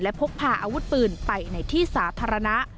พกพาอาวุธปืนไปในที่สาธารณะ